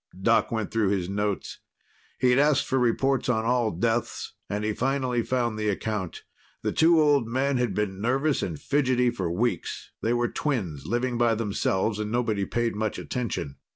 Doc went through his notes. He'd asked for reports on all deaths, and he finally found the account. The two old men had been nervous and fidgety for weeks. They were twins, living by themselves, and nobody paid much attention.